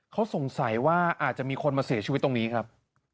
เขาสงสัยว่าอาจจะมีคนมาเสียชีวิตตรงนี้ครับ